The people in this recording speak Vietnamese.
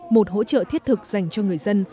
một hỗ trợ thiết thực dành cho người dân